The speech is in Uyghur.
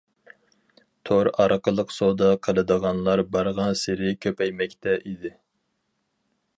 تور ئارقىلىق سودا قىلىدىغانلار بارغانسېرى كۆپەيمەكتە ئىدى.